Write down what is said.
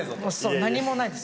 何もないです。